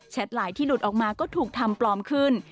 หลายที่หลุดออกมาก็ถูกทำปลอมขึ้น